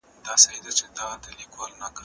زه به ليکنې کړي وي،